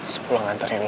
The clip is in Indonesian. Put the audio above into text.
sepuluh nganterin lu